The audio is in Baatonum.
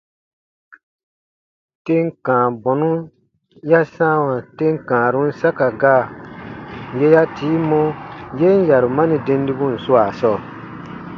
Tem kãa bɔnu ya sãawa tem kãarun saka gaa yè ya tii mɔ yen yarumani dendibun swaa sɔɔ.